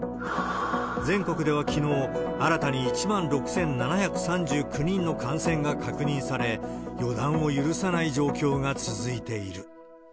全国ではきのう、新たに１万６７３９人の感染が確認され、予断を許さない状況が続いている。